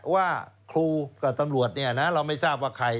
ว่าครูกับตำรวจเราไม่ทราบว่าใคร